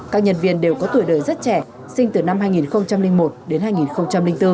các nhân viên đều có tuổi đời rất trẻ sinh từ năm hai nghìn một đến hai nghìn bốn